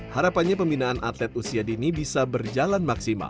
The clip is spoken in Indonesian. harapannya pembinaan atlet usia dini bisa berjalan maksimal